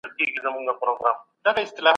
اوس زه فلسفي او تاریخي کتابونه لولم.